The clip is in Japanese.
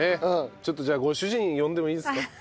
ちょっとじゃあご主人呼んでもいいですか？